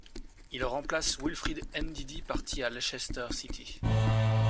Il remplace Wilfred Ndidi, parti à Leicester City.